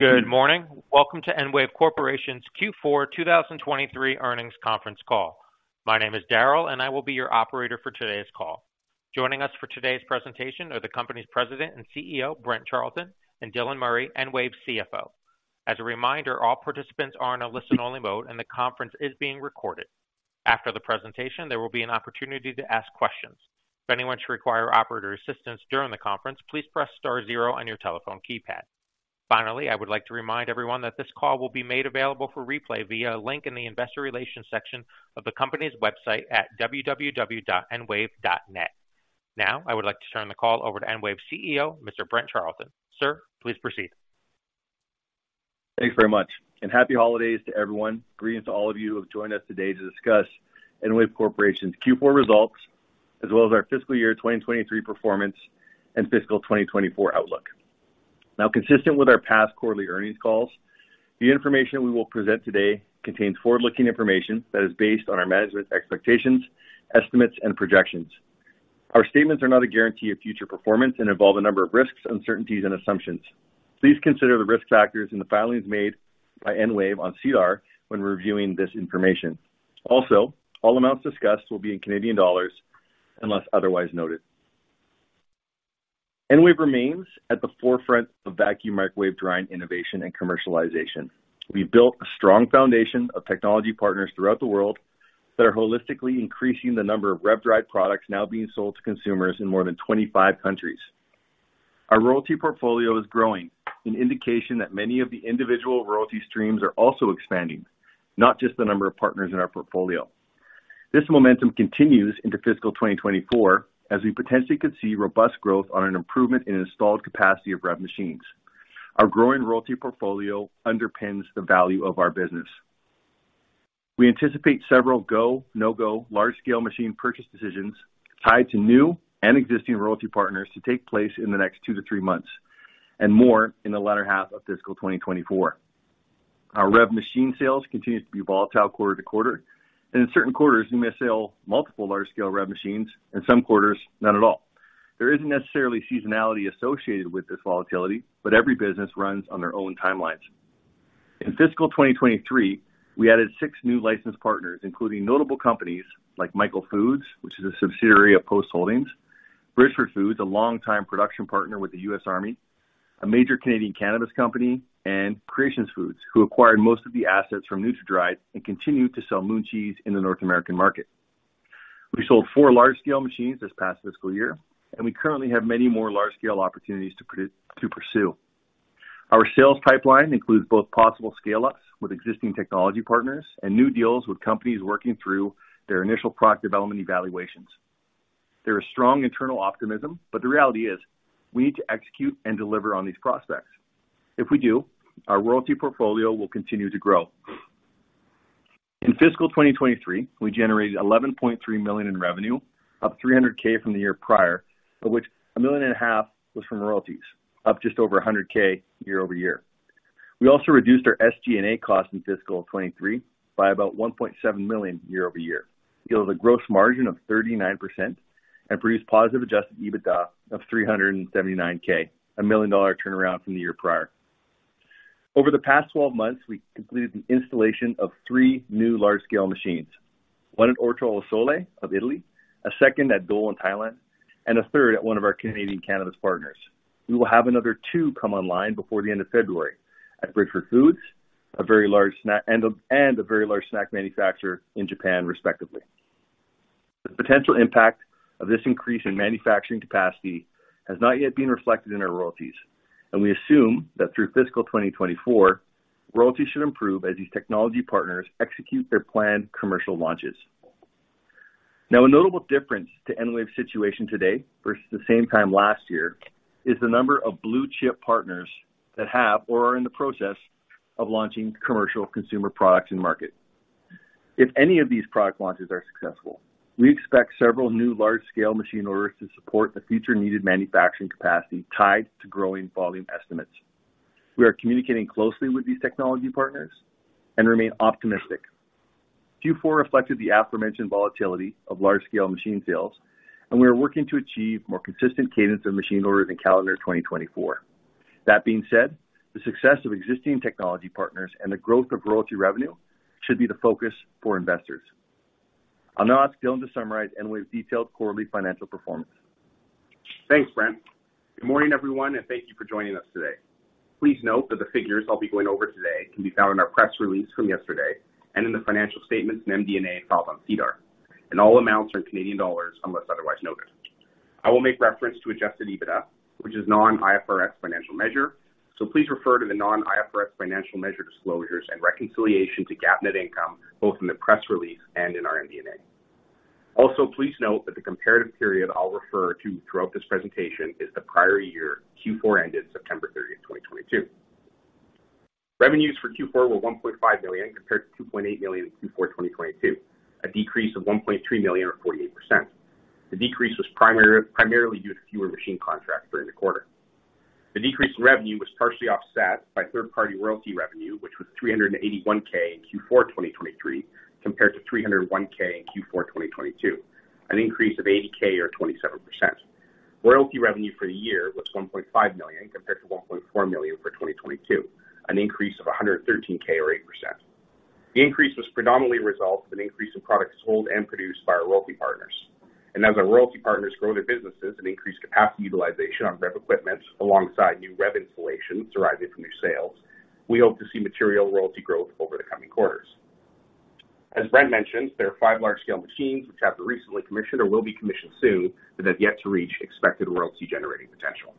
Good morning. Welcome to EnWave Corporation's Q4 2023 earnings conference call. My name is Daryl, and I will be your operator for today's call. Joining us for today's presentation are the company's President and CEO, Brent Charleton, and Dylan Murray, EnWave CFO. As a reminder, all participants are in a listen-only mode, and the conference is being recorded. After the presentation, there will be an opportunity to ask questions. If anyone should require operator assistance during the conference, please press star zero on your telephone keypad. Finally, I would like to remind everyone that this call will be made available for replay via a link in the Investor Relations section of the company's website at www.enwave.net. Now, I would like to turn the call over to EnWave CEO, Mr. Brent Charleton. Sir, please proceed. Thanks very much, and happy holidays to everyone. Greetings to all of you who have joined us today to discuss EnWave Corporation's Q4 results, as well as our fiscal year 2023 performance and fiscal 2024 outlook. Now, consistent with our past quarterly earnings calls, the information we will present today contains forward-looking information that is based on our management expectations, estimates, and projections. Our statements are not a guarantee of future performance and involve a number of risks, uncertainties, and assumptions. Please consider the risk factors in the filings made by EnWave on SEDAR when reviewing this information. Also, all amounts discussed will be in Canadian dollars, unless otherwise noted. EnWave remains at the forefront of vacuum microwave drying, innovation, and commercialization. We've built a strong foundation of technology partners throughout the world that are holistically increasing the number of REV dried products now being sold to consumers in more than 25 countries. Our royalty portfolio is growing, an indication that many of the individual royalty streams are also expanding, not just the number of partners in our portfolio. This momentum continues into fiscal 2024, as we potentially could see robust growth on an improvement in installed capacity of REV machines. Our growing royalty portfolio underpins the value of our business. We anticipate several go, no-go, large-scale machine purchase decisions tied to new and existing royalty partners to take place in the next 2-3 months, and more in the latter half of fiscal 2024. Our REV machine sales continue to be volatile quarter to quarter, and in certain quarters, we may sell multiple large-scale REV machines, and some quarters, none at all. There isn't necessarily seasonality associated with this volatility, but every business runs on their own timelines. In fiscal 2023, we added six new licensed partners, including notable companies like Michael Foods, which is a subsidiary of Post Holdings, Bridgford Foods, a longtime production partner with the US Army, a major Canadian cannabis company, and Creation Foods, who acquired most of the assets from NutraDried and continued to sell Moon Cheese in the North American market. We sold four large-scale machines this past fiscal year, and we currently have many more large-scale opportunities to pursue. Our sales pipeline includes both possible scale-ups with existing technology partners and new deals with companies working through their initial product development evaluations. There is strong internal optimism, but the reality is we need to execute and deliver on these prospects. If we do, our royalty portfolio will continue to grow. In fiscal 2023, we generated 11.3 million in revenue, up 300K from the year prior, of which 1.5 million was from royalties, up just over 100K year-over-year. We also reduced our SG&A costs in fiscal 2023 by about 1.7 million year-over-year, yield a gross margin of 39% and produced positive adjusted EBITDA of 379K, a million-dollar turnaround from the year prior. Over the past twelve months, we completed the installation of three new large-scale machines, one at Orto Al Sole of Italy, a second at Dole in Thailand, and a third at one of our Canadian cannabis partners. We will have another two come online before the end of February at Bridgford Foods, a very large snack manufacturer in Japan, respectively. The potential impact of this increase in manufacturing capacity has not yet been reflected in our royalties, and we assume that through fiscal 2024, royalties should improve as these technology partners execute their planned commercial launches. Now, a notable difference to EnWave's situation today versus the same time last year, is the number of blue chip partners that have or are in the process of launching commercial consumer products in market. If any of these product launches are successful, we expect several new large-scale machine orders to support the future needed manufacturing capacity tied to growing volume estimates. We are communicating closely with these technology partners and remain optimistic. Q4 reflected the aforementioned volatility of large-scale machine sales, and we are working to achieve more consistent cadence of machine orders in calendar 2024. That being said, the success of existing technology partners and the growth of royalty revenue should be the focus for investors. I'll now ask Dylan to summarize EnWave's detailed quarterly financial performance. Thanks, Brent. Good morning, everyone, and thank you for joining us today. Please note that the figures I'll be going over today can be found in our press release from yesterday and in the financial statements and MD&A filed on SEDAR, and all amounts are in Canadian dollars, unless otherwise noted. I will make reference to adjusted EBITDA, which is non-IFRS financial measure, so please refer to the non-IFRS financial measure disclosures and reconciliation to GAAP net income, both in the press release and in our MD&A. Also, please note that the comparative period I'll refer to throughout this presentation is the prior year, Q4 ended September 30, 2022. Revenues for Q4 were 1.5 million, compared to 2.8 million in Q4, 2022, a decrease of 1.3 million or 48%. The decrease was primarily due to fewer machine contracts during the quarter. The decrease in revenue was partially offset by third-party royalty revenue, which was 381,000 in Q4 2023, compared to 301,000 in Q4 2022, an increase of 80,000 or 27%. Royalty revenue for the year was 1.5 million, compared to 1.4 million for 2022, an increase of 113,000 or 8%. The increase was predominantly a result of an increase in products sold and produced by our royalty partners. And as our royalty partners grow their businesses and increase capacity utilization on REV equipment, alongside new REV installations deriving from new sales, we hope to see material royalty growth over the coming quarters. As Brent mentioned, there are 5 large-scale machines which have been recently commissioned or will be commissioned soon, but have yet to reach expected royalty-generating potential.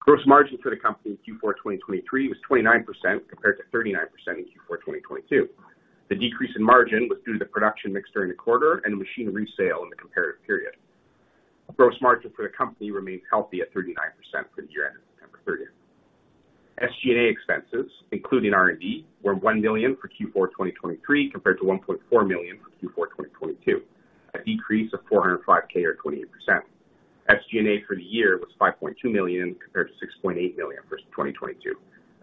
Gross margin for the company in Q4 2023 was 29%, compared to 39% in Q4 2022. The decrease in margin was due to the production mix during the quarter and the machine resale in the comparative period. Gross margin for the company remains healthy at 39% for the year end, September 30. SG&A expenses, including R&D, were 1 million for Q4 2023, compared to 1.4 million for Q4 2022, a decrease of 405,000 or 28%. SG&A for the year was 5.2 million, compared to 6.8 million for 2022,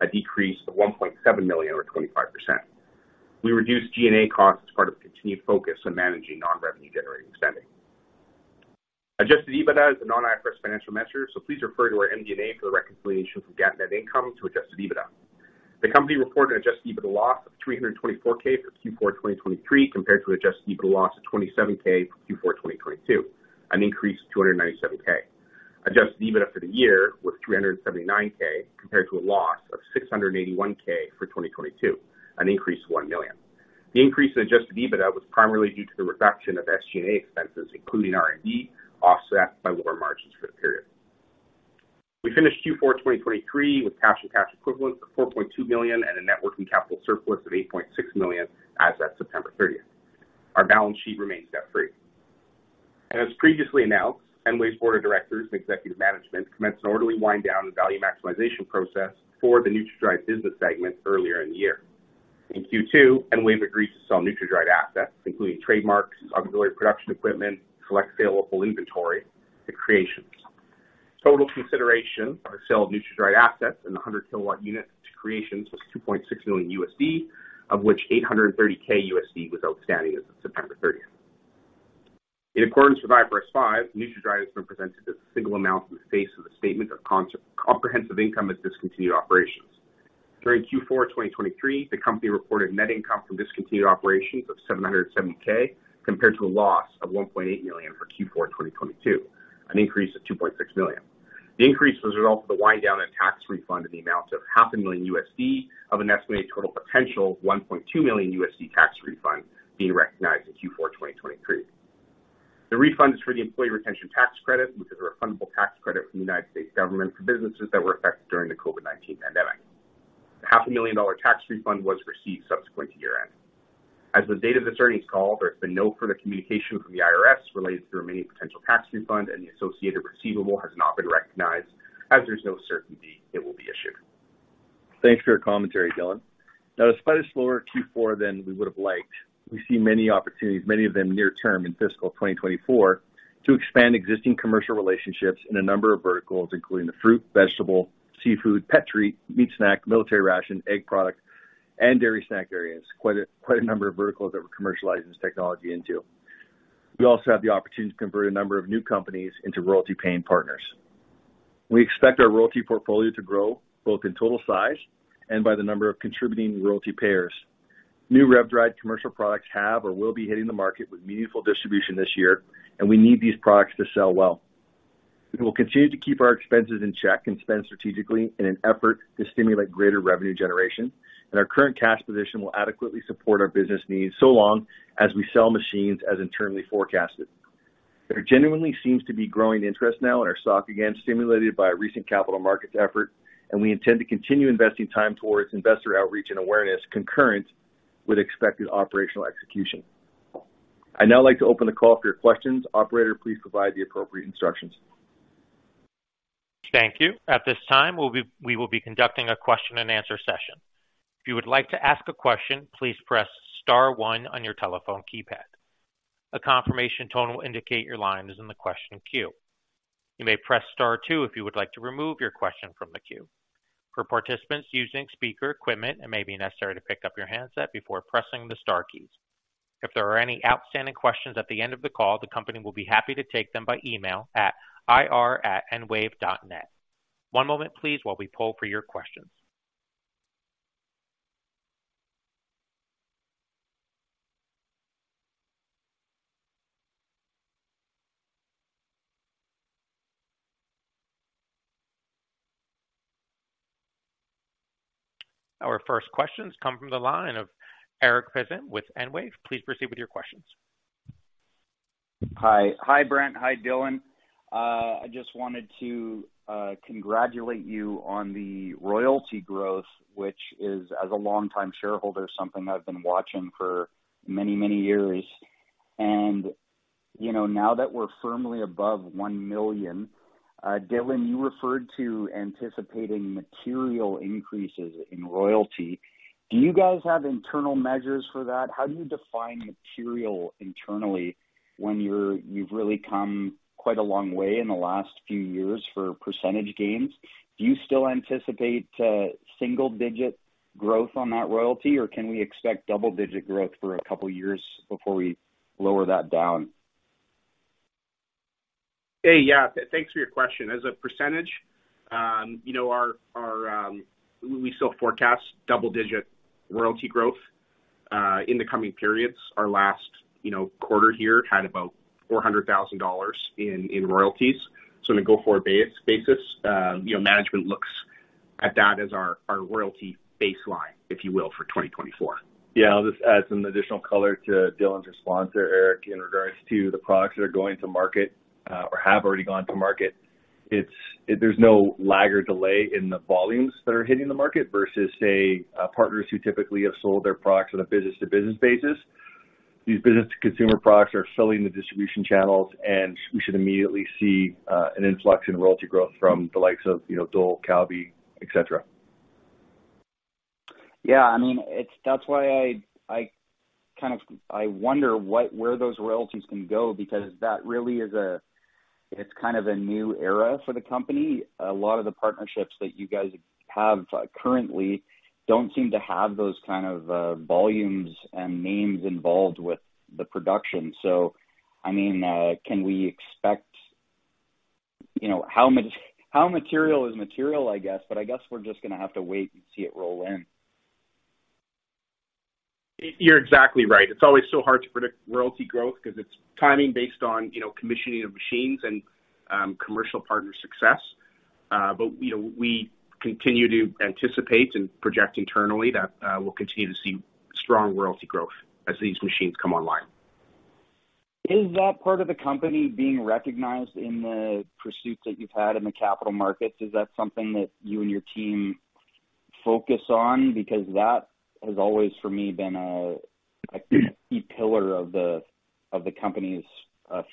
a decrease of 1.7 million or 25%. We reduced G&A costs as part of a continued focus on managing non-revenue generating spending. Adjusted EBITDA is a non-IFRS financial measure, so please refer to our MD&A for the reconciliation from GAAP net income to adjusted EBITDA. The company reported an adjusted EBITDA loss of 324,000 for Q4 2023, compared to adjusted EBITDA loss of 27,000 for Q4 2022, an increase of 297,000. Adjusted EBITDA for the year was 379,000 compared to a loss of 681,000 for 2022, an increase of 1 million. The increase in adjusted EBITDA was primarily due to the reduction of SG&A expenses, including R&D, offset by lower margins for the period. We finished Q4 2023 with cash and cash equivalents of 4.2 million and a net working capital surplus of 8.6 million as of September 30. Our balance sheet remains debt-free. As previously announced, EnWave's board of directors and executive management commenced an orderly wind down and value maximization process for the NutraDried business segment earlier in the year. In Q2, EnWave agreed to sell NutraDried assets, including trademarks, auxiliary production equipment, select saleable inventory to Creations. Total consideration for our sale of NutraDried assets and the 100kilowatt unit to Creations was $2.6 million, of which $830,000 was outstanding as of September 30. In accordance with IFRS 5, NutraDried has been presented as a single amount in the face of the statement of comprehensive income as discontinued operations. During Q4 2023, the company reported net income from discontinued operations of 770,000, compared to a loss of 1.8 million for Q4 2022, an increase of 2.6 million. The increase was a result of the wind down and tax refund in the amount of $500,000 of an estimated total potential of $1.2 million tax refund being recognized in Q4 2023. The refund is for the employee retention tax credit, which is a refundable tax credit from the United States government for businesses that were affected during the COVID-19 pandemic. The $500,000 tax refund was received subsequent to year-end. As of the date of this earnings call, there's been no further communication from the IRS related to the remaining potential tax refund, and the associated receivable has not been recognized as there's no certainty it will be issued. Thanks for your commentary, Dylan. Now, despite a slower Q4 than we would have liked, we see many opportunities, many of them near term in fiscal 2024, to expand existing commercial relationships in a number of verticals, including the fruit, vegetable, seafood, pet treat, meat snack, military ration, egg product, and dairy snack areas. Quite a, quite a number of verticals that we're commercializing this technology into. We also have the opportunity to convert a number of new companies into royalty paying partners. We expect our royalty portfolio to grow both in total size and by the number of contributing royalty payers. New REV dried commercial products have or will be hitting the market with meaningful distribution this year, and we need these products to sell well. We will continue to keep our expenses in check and spend strategically in an effort to stimulate greater revenue generation, and our current cash position will adequately support our business needs so long as we sell machines as internally forecasted. There genuinely seems to be growing interest now in our stock, again, stimulated by a recent capital markets effort, and we intend to continue investing time towards investor outreach and awareness concurrent with expected operational execution. I'd now like to open the call for your questions. Operator, please provide the appropriate instructions. Thank you. At this time, we will be conducting a question and answer session. If you would like to ask a question, please press star one on your telephone keypad. A confirmation tone will indicate your line is in the question queue. You may press star two if you would like to remove your question from the queue. For participants using speaker equipment, it may be necessary to pick up your handset before pressing the star keys. If there are any outstanding questions at the end of the call, the company will be happy to take them by email at ir@enwave.net. One moment please, while we poll for your questions. Our first questions come from the line of Eric Psim with EnWave. Please proceed with your questions. Hi. Hi, Brent. Hi, Dylan. I just wanted to congratulate you on the royalty growth, which is, as a longtime shareholder, something I've been watching for many, many years. You know, now that we're firmly above 1 million, Dylan, you referred to anticipating material increases in royalty. Do you guys have internal measures for that? How do you define material internally when you're – you've really come quite a long way in the last few years for percentage gains? Do you still anticipate single-digit?... growth on that royalty, or can we expect double-digit growth for a couple years before we lower that down? Hey, yeah, thanks for your question. As a percentage, you know, we still forecast double-digit royalty growth in the coming periods. Our last, you know, quarter here had about $400,000 in royalties. So on a go-forward basis, you know, management looks at that as our royalty baseline, if you will, for 2024. Yeah, I'll just add some additional color to Dylan's response there, Eric, in regards to the products that are going to market, or have already gone to market. There's no lag or delay in the volumes that are hitting the market versus, say, partners who typically have sold their products on a business-to-business basis. These business-to-consumer products are filling the distribution channels, and we should immediately see an influx in royalty growth from the likes of, you know, Dole, Calbee, et cetera. Yeah, I mean, it's, that's why I, I kind of, I wonder what, where those royalties can go, because that really is a, it's kind of a new era for the company. A lot of the partnerships that you guys have currently don't seem to have those kind of volumes and names involved with the production. So, I mean, can we expect, you know, how much, how material is material, I guess, but I guess we're just gonna have to wait and see it roll in. You're exactly right. It's always so hard to predict royalty growth because it's timing based on, you know, commissioning of machines and, commercial partner success. But, you know, we continue to anticipate and project internally that, we'll continue to see strong royalty growth as these machines come online. Is that part of the company being recognized in the pursuit that you've had in the capital markets? Is that something that you and your team focus on? Because that has always, for me, been a key pillar of the company's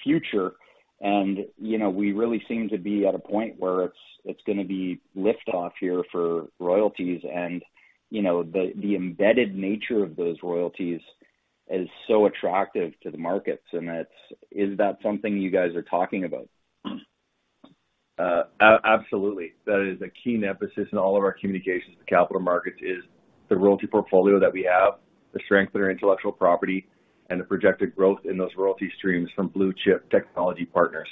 future. And, you know, we really seem to be at a point where it's gonna be lift off here for royalties, and, you know, the embedded nature of those royalties is so attractive to the markets, and that's... Is that something you guys are talking about? Absolutely. That is a key emphasis in all of our communications with capital markets, is the royalty portfolio that we have, the strength of our intellectual property, and the projected growth in those royalty streams from blue-chip technology partners.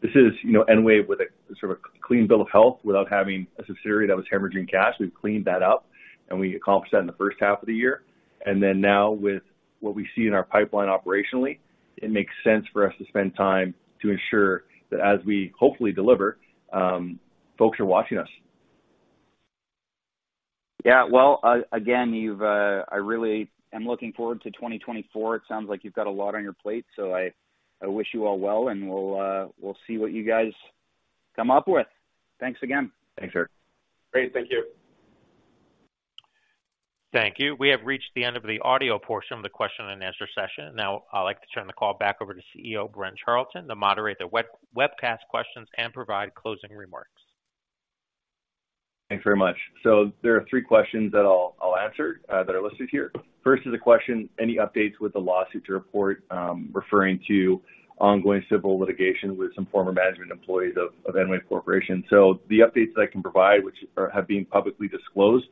This is, you know, EnWave with a sort of a clean bill of health without having a subsidiary that was hemorrhaging cash. We've cleaned that up, and we accomplished that in the first half of the year. And then now with what we see in our pipeline operationally, it makes sense for us to spend time to ensure that as we hopefully deliver, folks are watching us. Yeah, well, again, you've, I really am looking forward to 2024. It sounds like you've got a lot on your plate, so I, I wish you all well, and we'll, we'll see what you guys come up with. Thanks again. Thanks, Eric. Great. Thank you. Thank you. We have reached the end of the audio portion of the question-and-answer session. Now, I'd like to turn the call back over to CEO Brent Charleton, to moderate the webcast questions and provide closing remarks. Thanks very much. So there are three questions that I'll answer that are listed here. First is a question: Any updates with the lawsuit to report, referring to ongoing civil litigation with some former management employees of EnWave Corporation? So the updates I can provide, which have been publicly disclosed,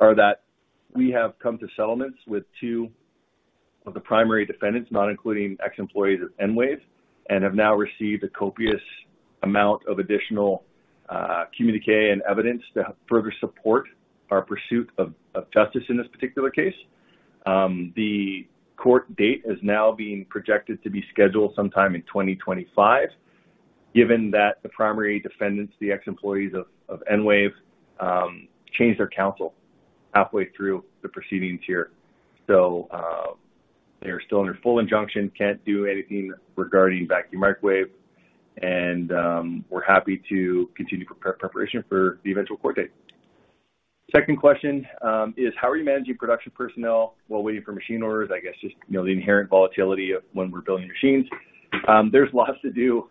are that we have come to settlements with two of the primary defendants, not including ex-employees of EnWave, and have now received a copious amount of additional communiqué and evidence to further support our pursuit of justice in this particular case. The court date is now being projected to be scheduled sometime in 2025, given that the primary defendants, the ex-employees of EnWave, changed their counsel halfway through the proceedings here. So, they are still under full injunction, can't do anything regarding vacuum microwave, and we're happy to continue preparation for the eventual court date. Second question is: How are you managing production personnel while waiting for machine orders? I guess just, you know, the inherent volatility of when we're building machines. There's lots to do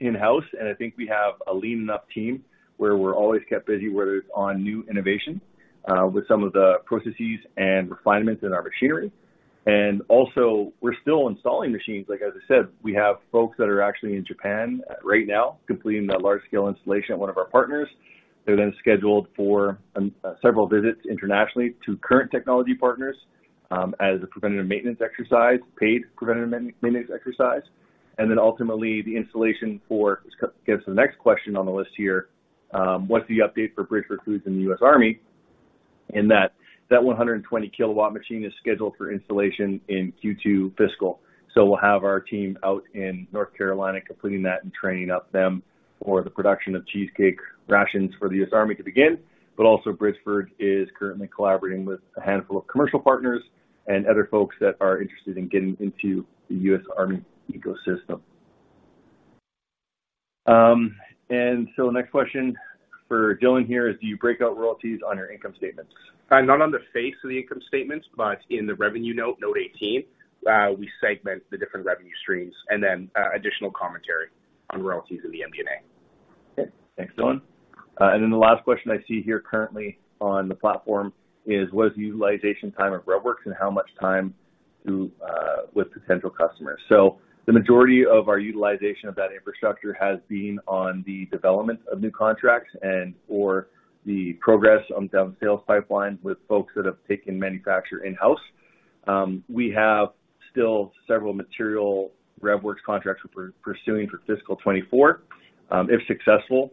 in-house, and I think we have a lean enough team where we're always kept busy, whether it's on new innovation, with some of the processes and refinements in our machinery. And also, we're still installing machines. Like, as I said, we have folks that are actually in Japan right now, completing a large-scale installation at one of our partners. They're then scheduled for several visits internationally to current technology partners, as a preventative maintenance exercise, paid preventative maintenance exercise, and then ultimately the installation for... Which gets to the next question on the list here. What's the update for Bridgford Foods and the US Army? And that, that 120-kilowatt machine is scheduled for installation in Q2 fiscal. So we'll have our team out in North Carolina completing that and training up them for the production of cheesecake rations for the US Army to begin. But also, Bridgford is currently collaborating with a handful of commercial partners and other folks that are interested in getting into the US Army ecosystem. And so the next question for Dylan here is: Do you break out royalties on your income statements? Not on the face of the income statements, but in the revenue note, note 18, we segment the different revenue streams and then, additional commentary on royalties in the MD&A. Okay. Thanks, Dylan. And then the last question I see here currently on the platform is: What is the utilization time of Revworx and how much time to, with potential customers? So the majority of our utilization of that infrastructure has been on the development of new contracts and/or the progress on down the sales pipeline with folks that have taken manufacture in-house. We have still several material Revworx contracts we're pursuing for fiscal 2024. If successful,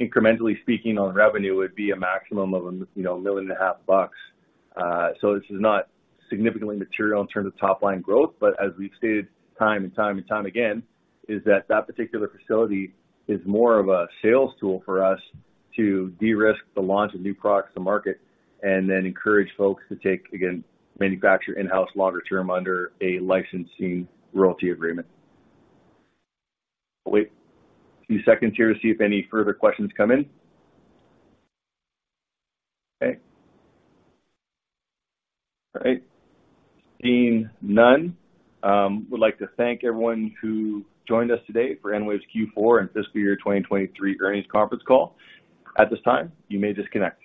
incrementally speaking, on revenue, it would be a maximum of, you know, $1.5 million. So this is not significantly material in terms of top-line growth, but as we've stated time and time and time again, is that that particular facility is more of a sales tool for us to de-risk the launch of new products to market and then encourage folks to take, again, manufacture in-house longer term under a licensing royalty agreement. I'll wait a few seconds here to see if any further questions come in. Okay. All right. Seeing none, would like to thank everyone who joined us today for EnWave's Q4 and fiscal year 2023 earnings conference call. At this time, you may disconnect.